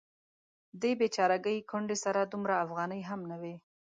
دې بیچارګۍ کونډې سره دومره افغانۍ هم نه وې.